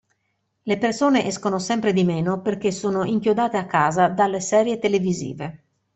Le persone escono sempre di meno perché sono inchiodate a casa dalle serie televisive.